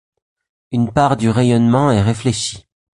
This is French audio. Une part du rayonnement est réfléchi.